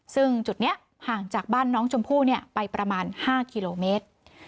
ซึ่งจุดนี้ห่างจากบ้านน้องชมพู่ไปประมาณ๕กิโลเมตร